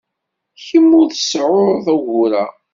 Kemm ur tseɛɛuḍ ugur-a.